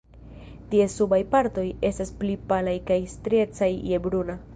Ties subaj partoj estas pli palaj kaj striecaj je bruna.